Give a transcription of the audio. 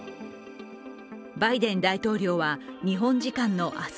バイデン大統領は日本時間の明日